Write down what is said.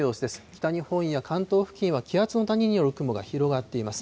北日本や関東付近は気圧の谷による雲が広がっています。